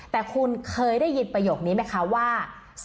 แต่คุณเคยได้ยินประโยคนี้ไหมคะว่า